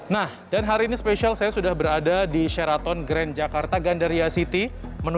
nah dan hari ini spesial saya sudah berada di sheraton grand jakarta gandaria city